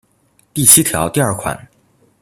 第七条第二款